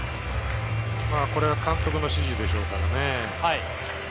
これは監督の指示でしょうからね。